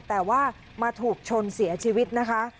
แต่ว่ามาถูกชนเสียชีวิตนะคะ